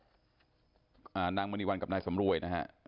แล้วก็พ่อพ่อน้างมนิวันกับน้าสำรวยนะฮะ